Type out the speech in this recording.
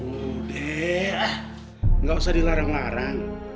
udah gak usah dilarang larang